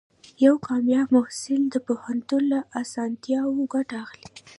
یو کامیاب محصل د پوهنتون له اسانتیاوو ګټه اخلي.